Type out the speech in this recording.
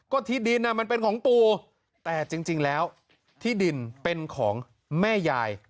ก็ที่ดินมันเป็นของปู่แต่จริงแล้วที่ดินเป็นของแม่ยาย